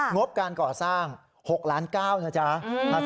งบการก่อสร้าง๖ล้าน๙นะจ๊ะ